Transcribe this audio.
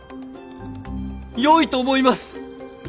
良いと思います！